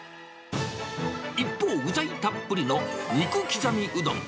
一方、具材たっぷりの肉きざみうどん。